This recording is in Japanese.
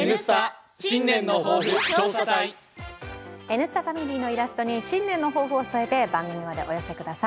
「Ｎスタ」ファミリーのイラストに新年の抱負を添えて番組までお寄せください。